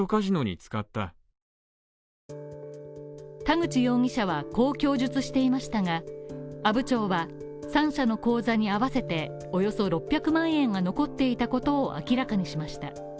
田口容疑者はこう供述していましたが阿武町は３社の口座に合わせておよそ６００万円が残っていたことを明らかにしました。